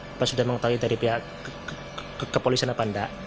apa sudah mengetahui dari pihak kepolisian apa enggak